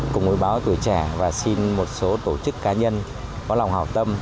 cùng với báo tuổi trẻ và xin một số tổ chức cá nhân có lòng hào tâm